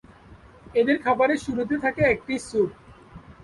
এদের খাবারের শুরুতে থাকে একটি স্যুপ।